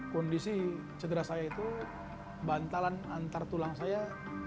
kondisi cedera saya itu bantalan antar tulang saya